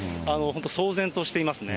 本当、騒然としていますね。